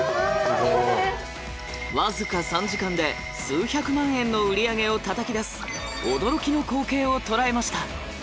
僅か３時間で数百万円の売り上げをたたき出す驚きの光景を捉えました。